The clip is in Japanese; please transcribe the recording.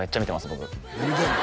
僕見てんの？